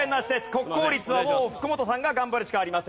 国公立はもう福本さんが頑張るしかありません。